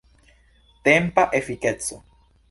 Tempa efikeco.